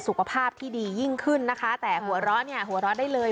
สุขภาพที่ดียิ่งขึ้นนะคะแต่หัวเราะเนี่ยหัวเราะได้เลย